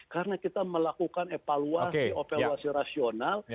karena kita melakukan evaluasi evaluasi rasional